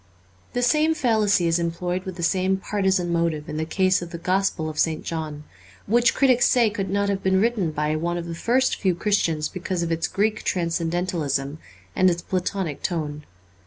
The same fallacy is employed with the same partisan motive in the case of the Gospel of St. John ; which critics say could not have been written by one of the first few Christians because of its Greek transcendentalism and its Platonic tone.